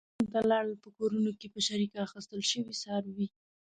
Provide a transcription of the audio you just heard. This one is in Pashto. کورونو ته لاړل، په کورونو کې په شریکه اخیستل شوي څاروي.